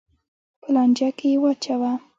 په لانجه کې یې واچوه.